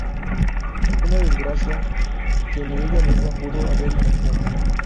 Una desgracia que ni ella misma pudo haber imaginado.